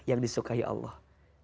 yang disukai allah